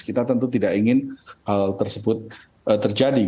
kita tentu tidak ingin hal tersebut terjadi